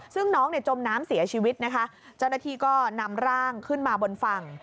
ซึ่งน้องเนี่ยจมน้ำเสียชีวิตนะคะเจ้าหน้าที่ก็นำร่างขึ้นมาบนฝั่ง